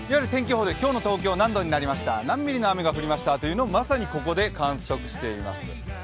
天気予報で今日の東京は何度になりました、何ミリの雨が降りましたというのを、まさにここで観測しています。